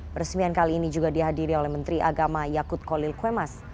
peresmian kali ini juga dihadiri oleh menteri agama yakut kolil kwemas